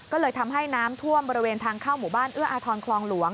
ก็เลยทำให้น้ำท่วมบริเวณทางเข้าหมู่บ้านเอื้ออาทรคลองหลวง